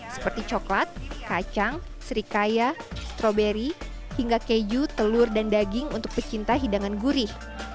seperti coklat kacang serikaya stroberi hingga keju telur dan daging untuk pecinta hidangan gurih